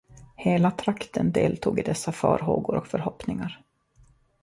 Hela trakten deltog i dessa farhågor och förhoppningar.